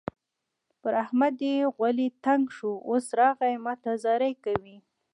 پر احمد چې غولی تنګ شو؛ اوس راغی ما ته زارۍ کوي.